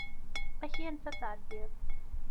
Ad ak-yanef ad tɛeddiḍ.